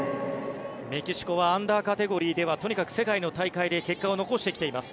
メキシコはアンダーカテゴリーではとにかく世界の大会で結果を残してきています。